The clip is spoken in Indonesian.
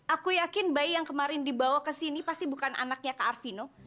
aku yakin bayi yang kemarin dibawa ke sini pasti bukan anaknya kak arvino